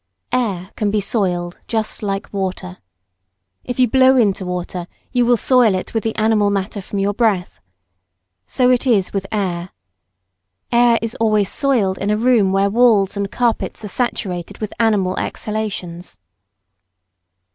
Air can be soiled just like water. If you blow into water you will soil it with the animal matter from your breath. So it is with air. Air is always soiled in a room where walls and carpets are saturated with animal exhalations.